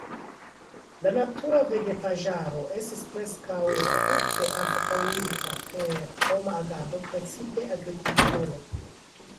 La natura vegetaĵaro estis preskaŭ tute anstataŭita per homa agado, precipe agrikulturo.